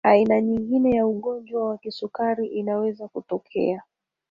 aina nyingine ya ugonjwa wa kisukari inaweza kutokea